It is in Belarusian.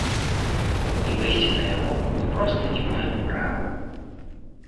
Не выйсці на яго мы проста не маем права.